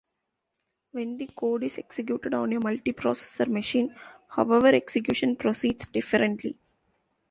When the code is executed on a "multiprocessor" machine, however, execution proceeds differently.